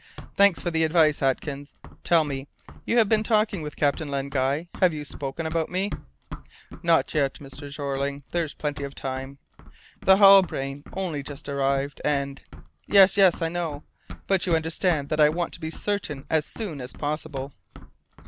"Thanks for your advice, Atkins. Tell me, you have been talking with Captain Len Guy; have you spoken about me?" "Not yet, Mr. Jeorling. There's plenty of time. The Halbrane has only just arrived, and " "Yes, yes, I know. But you understand that I want to be certain as soon as possible."